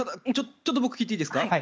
ちょっと聞いていいですか。